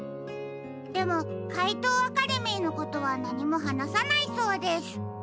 でもかいとうアカデミーのことはなにもはなさないそうです。